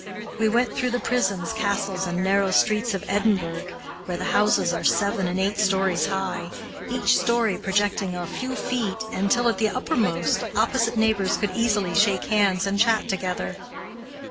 We went through the prisons, castles, and narrow streets of Edinburgh, where the houses are seven and eight stories high, each story projecting a few feet until, at the uppermost, opposite neighbors could easily shake hands and chat together.